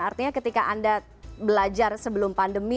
artinya ketika anda belajar sebelum pandemi